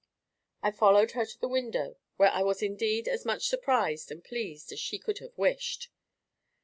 I followed her to the window, where I was indeed as much surprised and pleased as she could have wished.